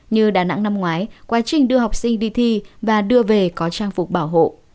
như đà nẵng năm ngoái quá trình đưa học sinh đi thi và đưa về có trang phục bảo hộ